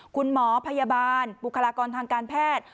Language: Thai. คุณหมอพยาบาลบุคลากรทางการแพทย์